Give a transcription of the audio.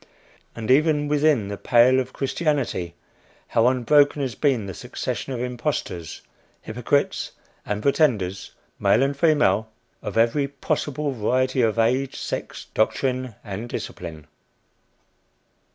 And even within the pale of Christianity, how unbroken has been the succession of impostors, hypocrites and pretenders, male and female, of every possible variety of age, sex, doctrine and discipline!